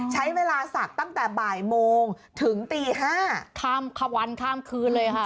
ใช้เวลาศักดิ์ตั้งแต่บ่ายโมงถึงตี๕ข้ามขวันข้ามคืนเลยค่ะ